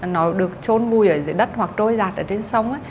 nó được trôn bùi ở dưới đất hoặc trôi giặt ở trên sông